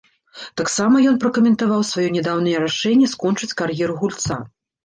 Таксама ён пракаментаваў сваё нядаўняе рашэнне скончыць кар'еру гульца.